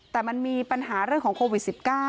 แต่มันมีปัญหาเรื่องของโควิด๑๙